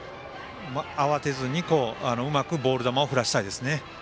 慌てずにうまくボール球を振らせたいですね。